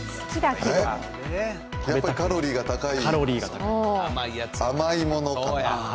やっぱりカロリーが高い、甘いものかな？